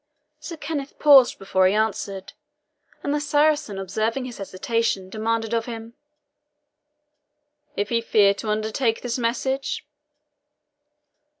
Sir Kenneth paused before he answered, and the Saracen observing his hesitation, demanded of him, "if he feared to undertake this message?"